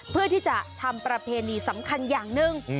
เพื่อที่จะทำประเพณีสำคัญอย่างหนึ่ง